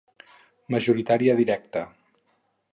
Majoritària Directa.